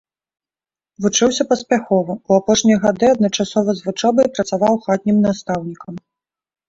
Вучыўся паспяхова, у апошнія гады адначасова з вучобай працаваў хатнім настаўнікам.